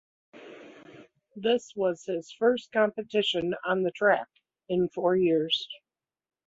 This was his first competition on the track in four years.